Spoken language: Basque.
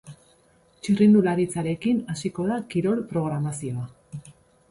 Txirrindularitzarekin hasiko da kirol programazioa.